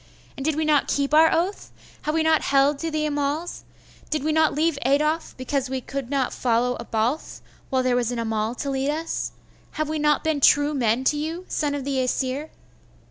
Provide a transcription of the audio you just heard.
And did we not keep our oath? Have we not held to the Amals? Did we not leave Adolf, because we would not follow a Balth, while there was an Amal to lead us? Have we not been true men to you, son of the Aesir?